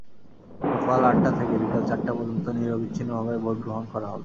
সকাল আটটা থেকে বিকেল চারটা পর্যন্ত নিরবচ্ছিন্নভাবে ভোট গ্রহণ করা হবে।